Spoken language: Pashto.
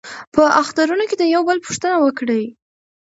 په اخترونو کې د یو بل پوښتنه وکړئ.